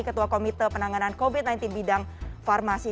ketua komite penanganan covid sembilan belas bidang farmasi